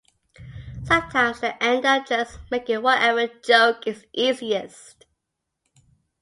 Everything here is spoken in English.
Sometimes they end up just making whatever joke is easiest.